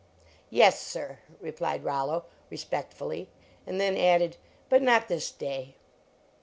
"Yes, sir," replied Rollo, respectfully, and then added, "but not this day."